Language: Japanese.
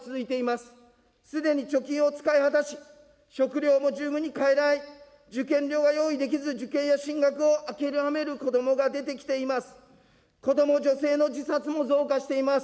すでに貯金を使い果たし、食料も十分に買えない、受験料が用意できず、受験や進学を諦める子どもが出てきています。